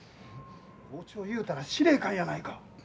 校長いうたら司令官やないか。